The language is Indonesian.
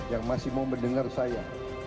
yang masih mau mendengar saya